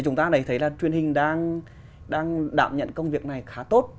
chúng ta lại thấy là truyền hình đang đảm nhận công việc này khá tốt